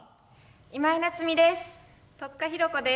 今井菜津美です。